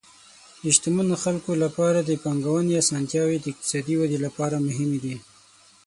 د شتمنو خلکو لپاره د پانګونې اسانتیاوې د اقتصادي ودې لپاره مهم دي.